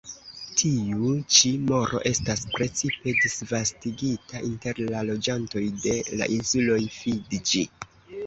Tiu ĉi moro estas precipe disvastigita inter la loĝantoj de la insuloj Fidĝi.